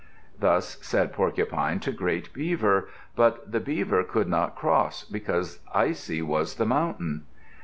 Thus said Porcupine to great Beaver. But the Beaver could not cross, because icy was the mountain.